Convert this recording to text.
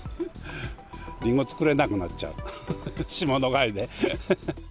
リンゴ作れなくなっちゃう、霜の害で。